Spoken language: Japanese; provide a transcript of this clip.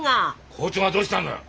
校長がどうしたんだよ？